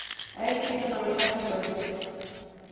Ha escrito novelas y poesías.